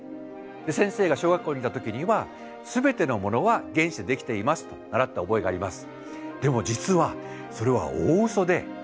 先生が小学校にいた時にはすべてのものは原子でできていますと習った覚えがあります。